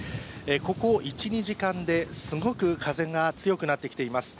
ここ１２時間ですごく風が強くなってきています。